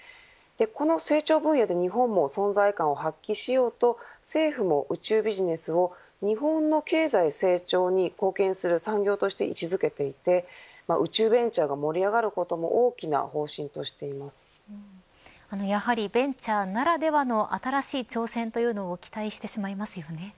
この成長分野で日本も存在感を発揮しようと政府も宇宙ビジネスを日本の経済成長に貢献する産業として位置付けていて宇宙ベンチャーが盛り上がることも大きな方針とやはりベンチャーならではの新しい挑戦というのを期待してしまいますよね。